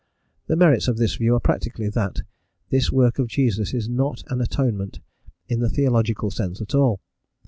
The merits of this view are practically that this work of Jesus is not an "atonement" in the theological sense at all.